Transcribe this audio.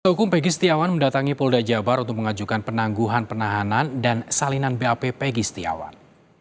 ketua hukum pegi setiawan mendatangi polda jabar untuk mengajukan penangguhan penahanan dan salinan bap pegi setiawan